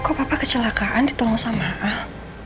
kepala al yang kecelakaan ditolong sama al